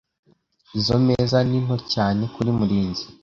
Izoi meza ni nto cyane kuri Murinzi.